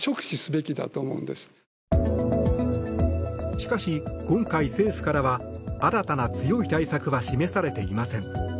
しかし今回、政府からは新たな強い対策は示されていません。